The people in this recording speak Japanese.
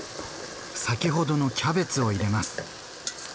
先ほどのキャベツを入れます。